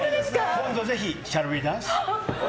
今度ぜひ、シャル・ウィ・ダイエス！